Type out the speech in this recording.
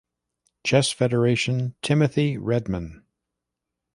Chess Federation, Timothy Redman.